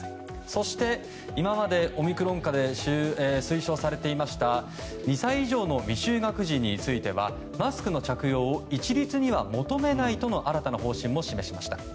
そして、今までオミクロン株では推奨されていました２歳以上の未就学児についてはマスクの着用を一律には求めないとの新たな方針も示しました。